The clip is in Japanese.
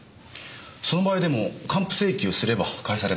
その場合でも還付請求すれば返されます。